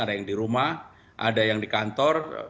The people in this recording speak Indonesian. ada yang di rumah ada yang di kantor